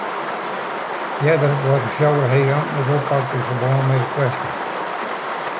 Earder waarden fjouwer hege amtners oppakt yn ferbân mei de kwestje.